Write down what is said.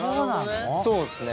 そうですね。